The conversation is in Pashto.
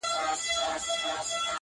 شکر چي هغه يمه شکر دی چي دی نه يمه,